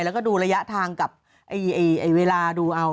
แล้วก็ดูระยะทางกับเวลาดูเอา